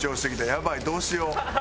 やばいどうしよう。